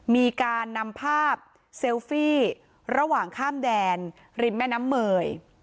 มีการนำภาพเซลฟี่ระหว่างข้ามแดนริมแม่น้ำเมย